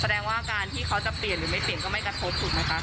แสดงว่าการที่เขาจะเปลี่ยนหรือไม่เปลี่ยนก็ไม่กระทบถูกไหมคะ